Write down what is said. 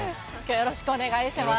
よろしくお願いします。